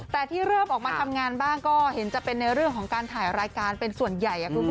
แต่ที่เริ่มออกมาทำงานบ้างก็เห็นจะเป็นในเรื่องของการถ่ายรายการเป็นส่วนใหญ่คุณผู้ชม